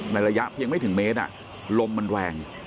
ระยะเพียงไม่ถึงเมตรลมมันแรง